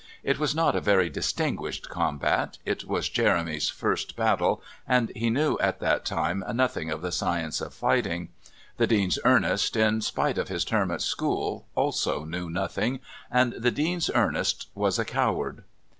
It was not a very distinguished combat; it was Jeremy's first battle, and he knew at that time nothing of the science of fighting. The Dean's Ernest, in spite of his term at school, also knew nothing and the Dean's Ernest was a coward...